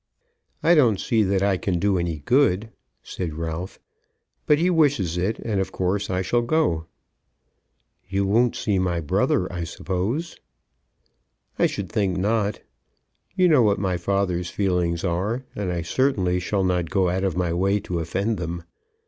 "I don't see that I can do any good," said Ralph, "but he wishes it, and of course I shall go." "You won't see my brother, I suppose?" "I should think not. You know what my father's feelings are, and I certainly shall not go out of my way to offend them.